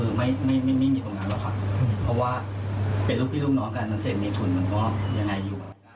เพราะว่าเป็นลูกพี่ลูกน้องกันแล้วเสพเมทุนมันก็ยังไงอยู่